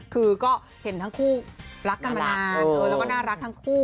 คือก็เห็นทั้งคู่รักกันมานานแล้วก็น่ารักทั้งคู่